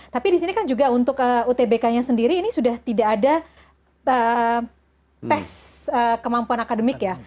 tapi di sini kan juga untuk utbk nya sendiri ini sudah tidak ada tes kemampuan akademik ya